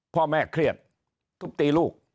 พ่อแม่เครียดทุบตีลูก